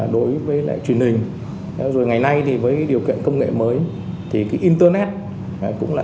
đối với lại truyền hình rồi ngày nay thì với điều kiện công nghệ mới thì cái internet cũng là